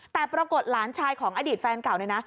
แต่ปรากฏหลานชายของอดีตแฟนเก่าเนี่ยนะ